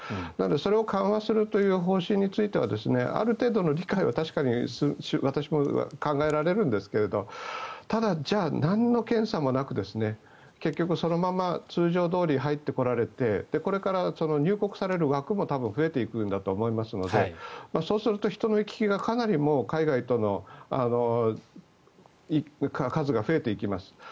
それを緩和するという方針についてはある程度の理解は確かに私も考えられるんですけれどただ、じゃあ、なんの検査もなく結局そのまま通常どおり入ってこられてこれから入国される枠も多分増えていくんだと思いますのでそうすると人の行き来がかなり海外から来る人の数が増えていきます。